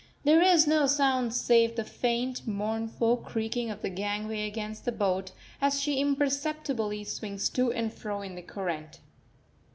There is no sound save the faint, mournful creaking of the gangway against the boat, as she imperceptibly swings to and fro in the current.